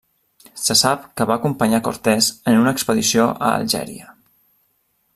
Se sap que va acompanyar Cortés en una expedició a Algèria.